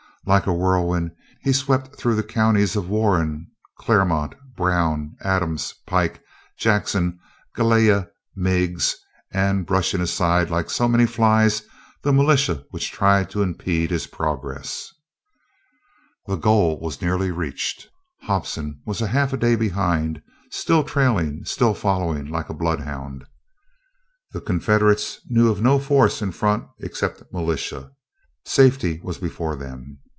Like a whirlwind he swept through the counties of Warren, Clermont, Brown, Adams, Pike, Jackson, Gallia, Meigs, brushing aside like so many flies the militia which tried to impede his progress. The goal was nearly reached. Hobson was half a day behind, still trailing, still following like a bloodhound. The Confederates knew of no force in front except militia. Safety was before them.